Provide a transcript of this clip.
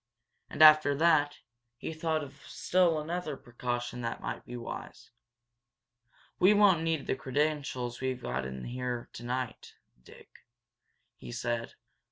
And, after that, he thought of still another precaution that might be wise. "We won't need the credentials we've got in there tonight, Dick," he said.